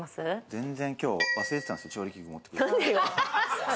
全然きょう忘れてたんですよ、調理器具持ってくるの。